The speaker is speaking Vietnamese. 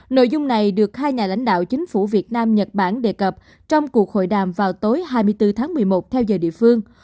nội dung này được hai nhà lãnh đạo chính phủ việt nam nhật bản đề cập trong cuộc hội đàm vào tối hai mươi bốn tháng một mươi một theo giờ địa phương